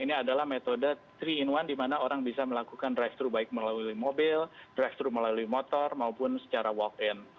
ini adalah metode tiga in satu di mana orang bisa melakukan drive thru baik melalui mobil drive thru melalui motor maupun secara walk in